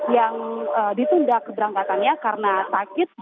yang ditunda keberangkatannya karena sakit